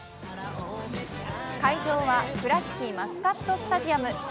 会場は倉敷マスカットスタジアム。